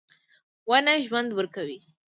• ونه ژوند ورکوي.